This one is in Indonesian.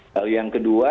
lalu yang kedua